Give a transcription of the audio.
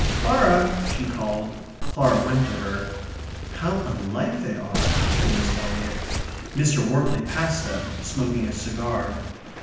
"Clara!" she called. Clara went to her. "How unlike they are!" said Miss Eliot. Mr. Wortley passed them, smoking a cigar.